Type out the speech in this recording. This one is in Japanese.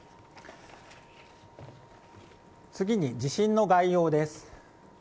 次に地震の概要です。